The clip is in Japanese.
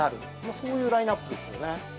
そういうラインアップですよね。